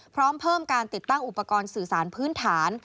พร้อมเพิ่มการติดตั้งอุปกรณ์สื่อสารพื้นฐาน